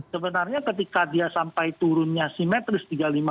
sebenarnya ketika dia sampai turunnya simetris tiga puluh lima tiga puluh lima